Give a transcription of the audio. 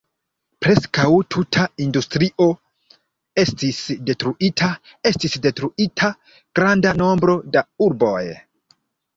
Preskaŭ tuta industrio estis detruita, estis detruita granda nombro da urboj.